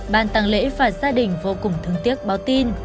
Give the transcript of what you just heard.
bàn tăng lễ phạt gia đình vô cùng thương tiếc báo tin